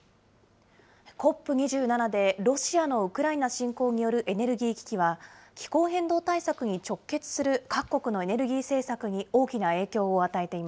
ＣＯＰ２７でロシアのウクライナ侵攻によるエネルギー危機は、気候変動対策に直結する各国のエネルギー政策に大きな影響を与え